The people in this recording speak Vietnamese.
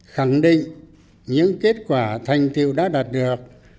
khẳng định những kết quả thành tiêu đã đạt được